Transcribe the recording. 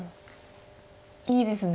いいですね。